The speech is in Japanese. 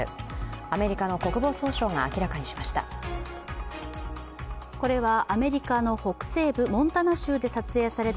アメリカの国防総省が明らかにしました。